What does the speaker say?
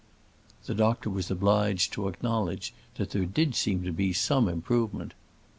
The doctor was obliged to acknowledge that there did seem to be some improvement.